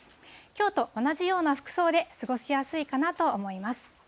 きょうと同じような服装で過ごしやすいかなと思います。